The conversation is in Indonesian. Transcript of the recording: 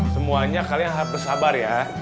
semuanya kalian harus bersabar ya